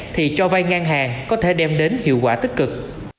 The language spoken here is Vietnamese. thì cho vay ngang hàng có thể đem đến hiệu quả tích cực